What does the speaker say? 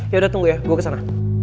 yaudah tunggu ya gue kesana